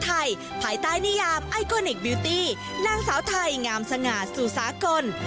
ภายใต้นิยามไอโกนิคบิวตี้นางสาวไทยงามสง่าสู่สากล